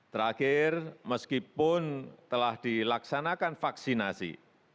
terakhir meskipun telah dilaksanakan vaksinasi